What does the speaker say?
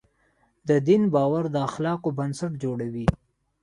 د دین باور د اخلاقو بنسټ جوړوي.